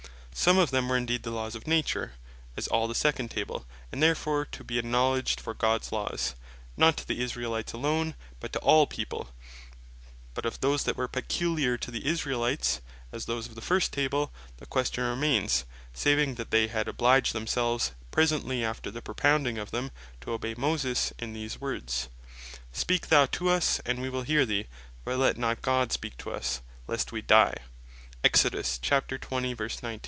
Some of them were indeed the Laws of Nature, as all the Second Table; and therefore to be acknowledged for Gods Laws; not to the Israelites alone, but to all people: But of those that were peculiar to the Israelites, as those of the first Table, the question remains; saving that they had obliged themselves, presently after the propounding of them, to obey Moses, in these words (Exod. 20.19.) "Speak them thou to us, and we will hear thee; but let not God speak to us, lest we die."